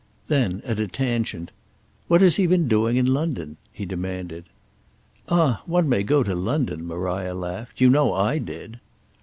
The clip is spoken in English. Then at a tangent, "What has he been doing in London?" he demanded. "Ah one may go to London," Maria laughed. "You know I did."